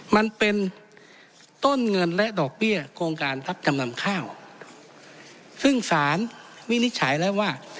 มันเป็นต้นเงินและดอกเบี้ยโครงการรับจำนำข้าวซึ่งสารวินิจฉัยแล้วว่า